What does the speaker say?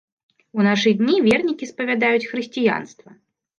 У нашы дні вернікі спавядаюць хрысціянства.